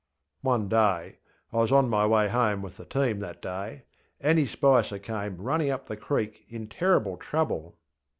ŌĆÖ One dayŌĆöI was on my way home with the team that dayŌĆö Annie Spicer came running up the creek in terrible trouble.